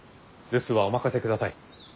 留守はお任せください。